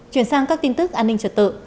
chuyển sang các tin tức an ninh trật tự